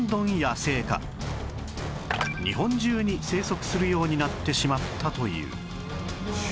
日本中に生息するようになってしまったという